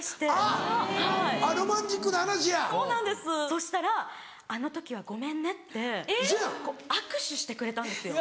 そしたら「あの時はごめんね」って握手してくれたんですよ。